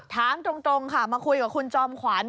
ถามตรงค่ะมาคุยกับคุณจอมขวัญ